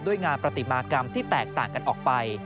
งานปฏิมากรรมที่แตกต่างกันออกไป